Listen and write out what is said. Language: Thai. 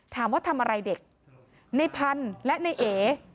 ถามว่าทำอะไรเด็กในพันธุ์และในเอ